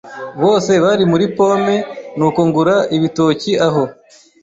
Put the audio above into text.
Bose bari muri pome, nuko ngura ibitoki aho.